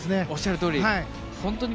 おっしゃるとおり。